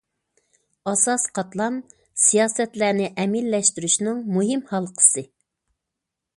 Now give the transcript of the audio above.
ئاساسىي قاتلام سىياسەتلەرنى ئەمەلىيلەشتۈرۈشنىڭ مۇھىم ھالقىسى.